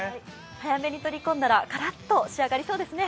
早めに取り込んだらカラッと仕上がりそうですね。